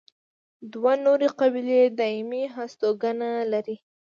دوه نورې قبیلې دایمي هستوګنه لري.